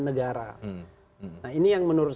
negara nah ini yang menurut